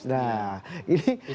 nah ini gimana